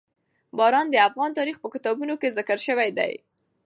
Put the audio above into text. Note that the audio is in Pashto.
باران د افغان تاریخ په کتابونو کې ذکر شوی دي.